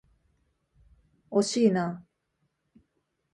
惜しいな。